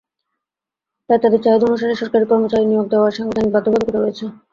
তাই তাদের চাহিদা অনুসারে সরকারি কর্মচারী নিয়োগ দেওয়ার সাংবিধানিক বাধ্যবাধকতা রয়েছে।